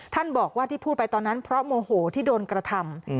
ท่านบอกว่าที่พูดไปตอนนั้นเพราะโมโหที่โดนกระทำ